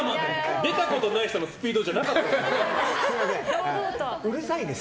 出たことない人のスピードじゃなかったです。